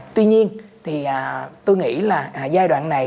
tuy nhiên thì tôi nghĩ là giai đoạn này